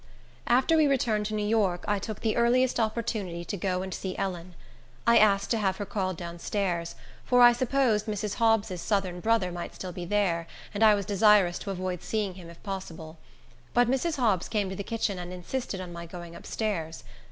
After we returned to New York, I took the earliest opportunity to go and see Ellen. I asked to have her called down stairs; for I supposed Mrs. Hobbs's southern brother might still be there, and I was desirous to avoid seeing him, if possible. But Mrs. Hobbs came to the kitchen, and insisted on my going up stairs.